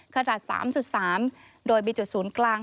ขนาด๓๓โดยมีจุดศูนย์กลาง